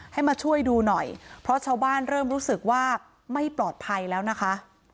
ให้มาช่วยดูหน่อยเพราะชาวบ้านเริ่มรู้สึกว่าไม่ปลอดภัยแล้วนะคะ